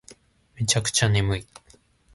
めちゃくちゃ眠い